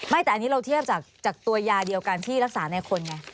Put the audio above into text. แต่อันนี้เราเทียบจากตัวยาเดียวกันที่รักษาในคนไง